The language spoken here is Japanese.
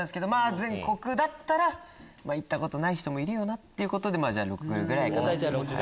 全国だったら行ったことない人もいるよなっていうことで６ぐらいかな。